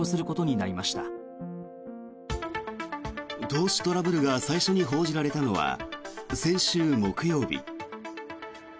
投資トラブルが最初に報じられたのは先週木曜日。